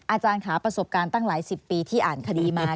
อาจารย์ค่ะประสบการณ์ตั้งหลายสิบปีที่อ่านคดีมา